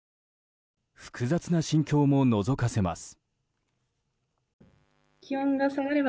複雑な心境ものぞかせます。